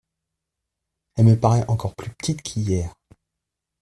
Elle me paraît encore plus petite qu’hier.